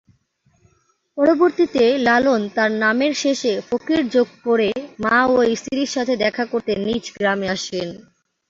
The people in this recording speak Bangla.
পরবর্তীতে লালন তার নামের শেষে ফকির যোগ করে মা ও স্ত্রীর সাথে দেখা করতে নিজ গ্রামে আসেন।